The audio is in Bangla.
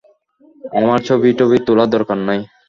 আমার ছবি টবি তোলার দরকার নাই।